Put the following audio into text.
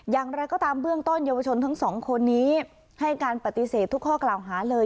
อย่างไรก็ตามเบื้องต้นเยาวชนทั้งสองคนนี้ให้การปฏิเสธทุกข้อกล่าวหาเลย